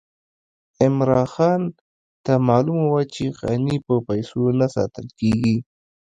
عمرا خان ته معلومه وه چې خاني په پیسو نه ساتل کېږي.